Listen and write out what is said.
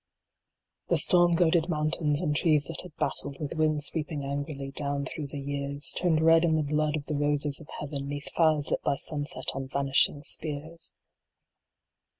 The storm goaded mountains, and trees that had battled With winds sweeping angrily down through the years, Turned red in Ihe blood of the roses of Heaven, Neath fires lit by sunset on vanishing spears.